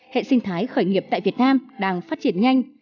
hệ sinh thái khởi nghiệp tại việt nam đang phát triển nhanh